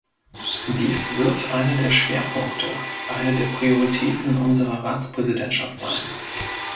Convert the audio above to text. Dies wird einer der Schwerpunkte, eine der Prioritäten unserer Ratspräsidentschaft sein.